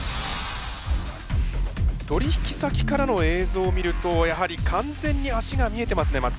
取引先からの映像を見るとやはり完全に足が見えてますね松木さん。